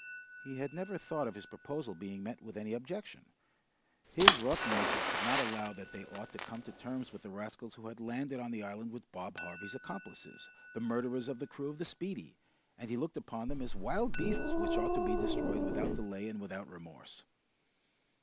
He had never thought of his proposal being met with any objection. His rough nature could not allow that they ought to come to terms with the rascals who had landed on the island with Bob Harvey's accomplices, the murderers of the crew of the "Speedy," and he looked upon them as wild beasts which ought to be destroyed without delay and without remorse.